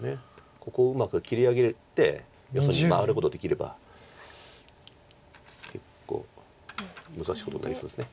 ここをうまく切り上げて逆に回ることできれば結構難しいことになりそうです。